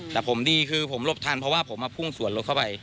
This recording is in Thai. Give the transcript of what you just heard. แต่ผมดีคือผมหลบทันเพราะว่าผมมาพุ่งสวนรถเข้าไป